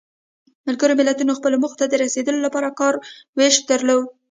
ملګرو ملتونو خپلو موخو ته د رسیدو لپاره کار ویش درلود.